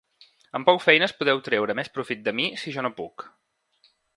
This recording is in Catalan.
Amb prou feines podeu treure més profit de mi si jo no puc.